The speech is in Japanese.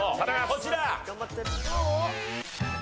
こちら！